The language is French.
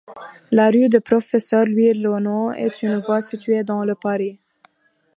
La rue du Professeur-Louis-Renault est une voie située dans le de Paris.